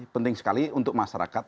penting sekali untuk masyarakat